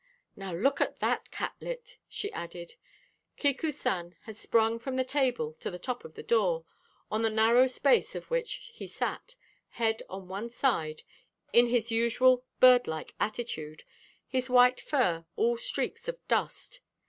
Now look at that catlet!" she added. Kiku san had sprung from the table to the top of the door, on the narrow space of which he sat, head on one side, in his usual bird like attitude, his white fur all streaks of dust.